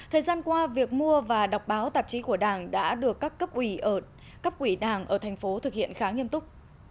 thời gian qua việc mua và đọc báo tạp chí của đảng đã được các cấp ủy đảng ở tp hcm thực hiện khá nghiêm túc